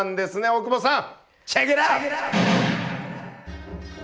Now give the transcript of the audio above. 大久保さん！